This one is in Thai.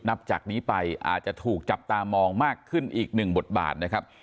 นับจากนี้ไปอาจจะถูกจับตามองมากขึ้นอีกหนึ่งบทบาทนะครับ